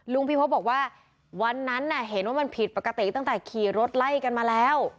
พี่พบบอกว่าวันนั้นเห็นว่ามันผิดปกติตั้งแต่ขี่รถไล่กันมาแล้ว